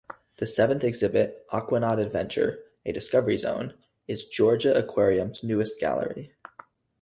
The seventh exhibit, Aquanaut Adventure: A Discovery Zone, is Georgia Aquarium's newest gallery.